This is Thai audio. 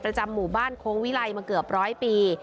ประจำหมู่บ้านโคงวิลัยมาเกือบร้อยปี